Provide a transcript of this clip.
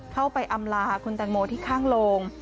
เข้าไปอำลาคุณแตงโมที่ข้างโลง